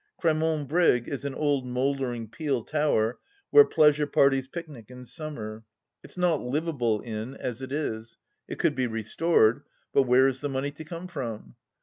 Cramont Brig is an old mouldering pele tower where pleasure parties picnic in summer. It's not liveable in, as it is. It could be restored, but where is the money to come from